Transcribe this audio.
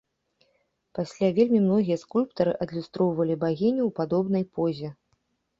Пасля вельмі многія скульптары адлюстроўвалі багіню ў падобнай позе.